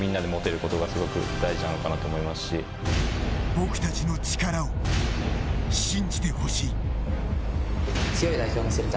僕たちの力を、信じてほしい。